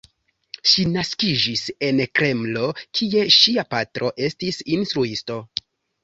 Ŝi naskiĝis en Kremlo, kie ŝia patro estis instruisto.